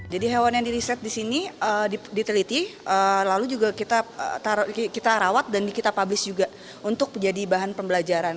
jadi hewan yang di riset di sini diteliti lalu juga kita rawat dan kita publish juga untuk menjadi bahan pembelajaran